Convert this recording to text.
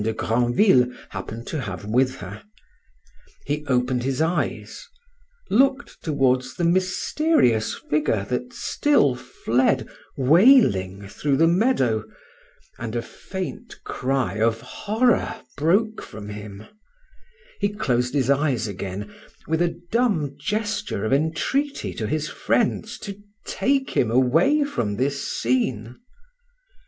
de Grandville happened to have with her; he opened his eyes, looked towards the mysterious figure that still fled wailing through the meadow, and a faint cry of horror broke from him; he closed his eyes again, with a dumb gesture of entreaty to his friends to take him away from this scene.